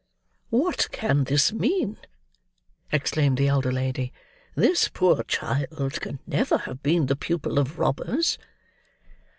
"What can this mean?" exclaimed the elder lady. "This poor child can never have been the pupil of robbers!"